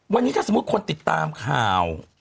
วันนี้ถ้าสมมุติคนติดตามข่าว